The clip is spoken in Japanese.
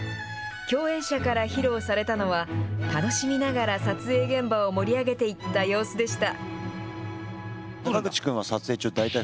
共演者から披露されたのは、楽しみながら撮影現場を盛り上げていった様子でした。